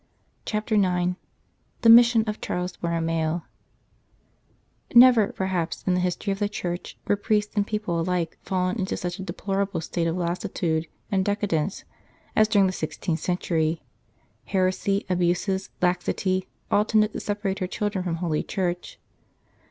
CHAPTER IX THE MISSION OF CHARLES BORROMEO NEVER, perhaps, in the history of the Church were priests and people alike fallen into such a deplorable state of lassitude and decadence as during the sixteenth century. Heresy, abuses, laxity, all tended to separate her children from Holy Church.